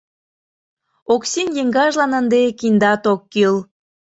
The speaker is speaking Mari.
Оксин еҥгажлан ынде киндат ок кӱл...